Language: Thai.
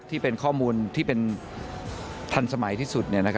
ที่เป็นข้อมูลที่เป็นทันสมัยที่สุด